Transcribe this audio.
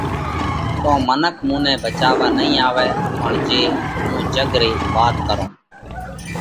تو منک مُونئہ ڀچاوا نئين آوئہ، پڻ جي هُون جڳ رئِي وات ڪرون